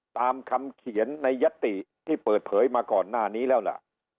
ตามคำเขียนในยติที่เปิดเผยมาก่อนหน้านี้แล้วล่ะ